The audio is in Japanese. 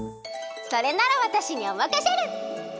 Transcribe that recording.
それならわたしにおまかシェル！